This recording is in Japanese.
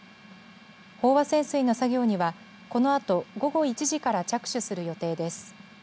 飽和潜水の作業には、このあと午後１時から着手する予定です。